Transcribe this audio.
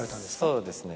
そうですね。